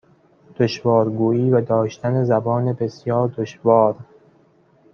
دشوار گویی و داشتن زبان بسیار دشوار